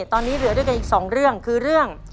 ตอนนี้เหลือด้วยกันอีกสองเรื่องคือเรื่อง